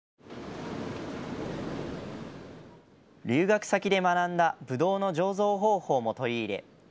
留学先で学んだぶどうの醸造方法も取り入れ